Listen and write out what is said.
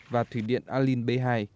và thủy điện alin b hai